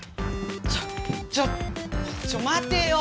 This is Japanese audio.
ちょっちょっちょまてよ！